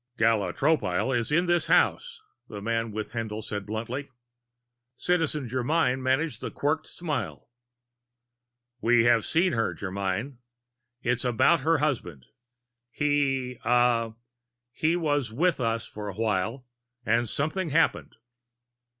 "Gala Tropile is in this house," the man with Haendl said bluntly. Citizen Germyn managed a Quirked Smile. "We want to see her, Germyn. It's about her husband. He uh he was with us for a while and something happened."